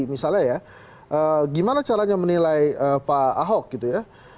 misalnya ya gimana caranya menilai pak ahok gitu ya